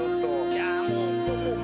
いやもう。